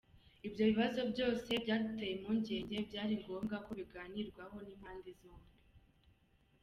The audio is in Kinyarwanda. Ibyo bibazo byose byaduteye impungenge byari ngombwa ko biganirwaho n’impande zombi.”